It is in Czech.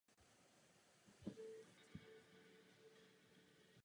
Šla jsem do svého nitra.